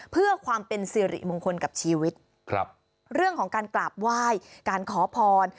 เพื่อความเป็นสิริมงคลกับชีวิตครับเรื่องของการกราบไหว้การขอพร